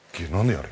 あれ。